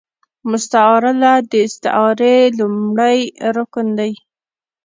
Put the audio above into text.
مستعارله د استعارې لومړی رکن دﺉ.